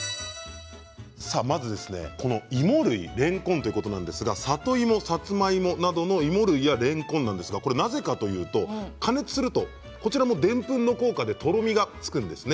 芋類、れんこんということですが里芋、さつまいもなどの芋類やれんこん、なぜかというと加熱するとでんぷんの効果でとろみがつくんですね。